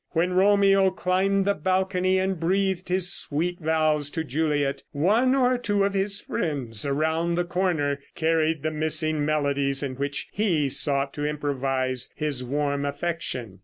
When Romeo climbed the balcony and breathed his sweet vows to Juliet, one or two of his friends around the corner carried the missing melodies in which he sought to improvise his warm affection.